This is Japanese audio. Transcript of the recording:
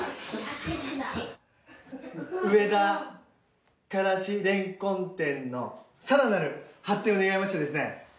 上田からし蓮根店の更なる発展を願いましてですね